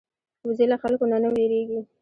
وزې له خلکو نه نه وېرېږي